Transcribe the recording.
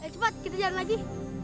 cepat kita jalan lagi